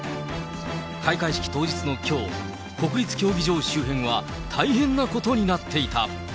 開会式当日のきょう、国立競技場周辺は大変なことになっていた。